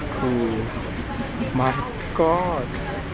คือมาก้อน